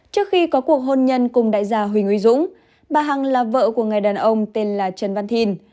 trước khi có cuộc hôn nhân cùng đại gia huy nguyễn dũng bà hằng là vợ của người đàn ông tên trần văn thìn